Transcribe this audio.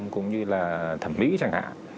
cũng như là thẩm mỹ chẳng hạn